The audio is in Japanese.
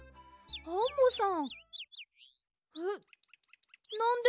アンモさん。